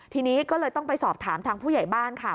ทีนี้ก็เลยต้องไปสอบถามทางผู้ใหญ่บ้านค่ะ